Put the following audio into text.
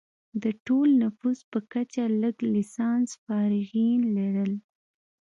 د ټول نفوس په کچه لږ لسانس فارغین لرل.